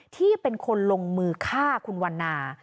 ที่เป็นคนลงมือฆ่าคุณวันนา